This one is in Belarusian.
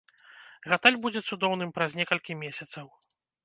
Гатэль будзе цудоўным праз некалькі месяцаў.